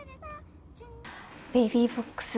ベイビーボックス